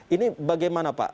ini bagaimana pak